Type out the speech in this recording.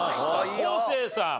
昴生さん。